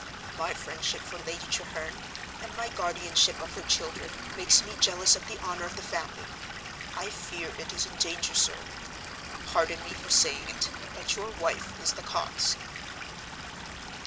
"My friendship for Lady Treherne, and my guardianship of her children, makes me jealous of the honor of the family. I fear it is in danger, sir; pardon me for saying it, but your wife is the cause."